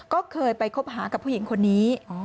ก็เคยไปคบหากับผู้หญิงคนนี้